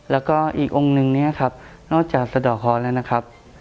แล้วก็อีกองค์นึงเนี่ยครับนอกจากสะดอกฮอนแล้วนะครับ